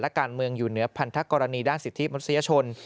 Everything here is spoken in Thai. การเมืองอยู่เหนือพันธกรณีด้านสิทธิมนุษยชน